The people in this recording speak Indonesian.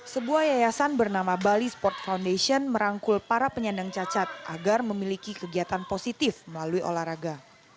sebuah yayasan bernama bali sport foundation merangkul para penyandang cacat agar memiliki kegiatan positif melalui olahraga